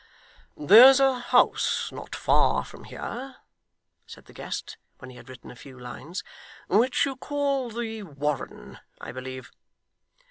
'There's a house not far from here,' said the guest when he had written a few lines, 'which you call the Warren, I believe?